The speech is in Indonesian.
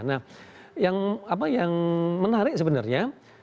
nah yang menarik sebenarnya